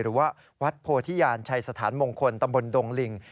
หรือว่าวัดโพธิญาณชัยสถานมงคลตำบลดงลิง